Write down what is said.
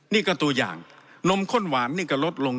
นี่ก็ตัวอย่างนมข้นหวานนี่ก็ลดลง